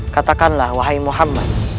katakanlah wahai muhammad